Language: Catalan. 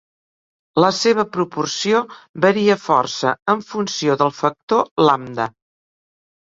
La seva proporció varia força en funció del factor lambda.